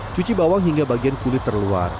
cuci bawang hingga bagian kulit terluar